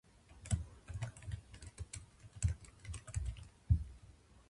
アイドルが好きです。